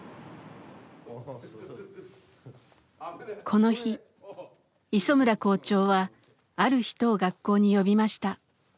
この日磯村校長はある人を学校に呼びました。